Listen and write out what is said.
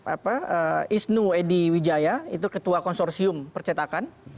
apa isnu edy wijaya itu ketua konsorsium percetakan